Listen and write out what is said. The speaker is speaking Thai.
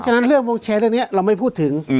ฉะนั้นเรื่องวงแชร์เรื่องนี้เราไม่พูดถึง